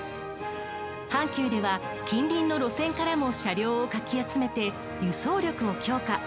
阪急では近隣の路線からも車両をかき集めて輸送力を強化。